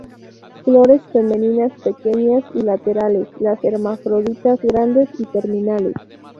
Flores femeninas pequeñas y laterales; las hermafroditas grandes y terminales.